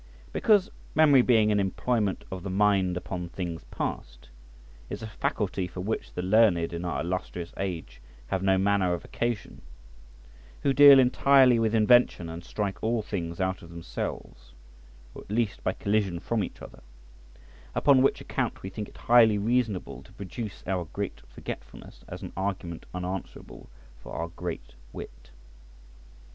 Because, memory being an employment of the mind upon things past, is a faculty for which the learned in our illustrious age have no manner of occasion, who deal entirely with invention and strike all things out of themselves, or at least by collision from each other; upon which account, we think it highly reasonable to produce our great forgetfulness as an argument unanswerable for our great wit.